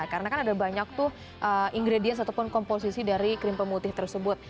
karena kan ada banyak tuh ingredients ataupun komposisi dari krim pemutih tersebut